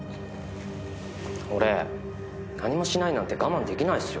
俺何もしないなんて我慢できないっすよ。